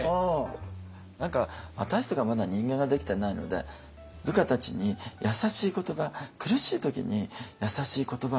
何か私とかまだ人間ができてないので部下たちに優しい言葉苦しい時に優しい言葉をね